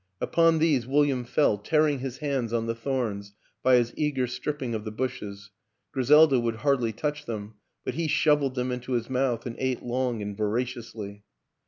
Upon these William fell, tearing his hands on the thorns by his eager stripping of the bushes; Gri selda would hardly touch them, but he shoveled them into his mouth and ate long and voraciously.